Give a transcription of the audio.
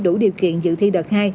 đủ điều kiện dự thi đợt hai